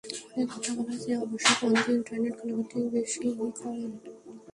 ফোনে কথা বলার চেয়ে অবশ্য ফোন দিয়ে ইন্টারনেট ঘাঁটাঘাঁটিই বেশি করেন।